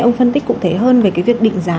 ông phân tích cụ thể hơn về cái việc định giá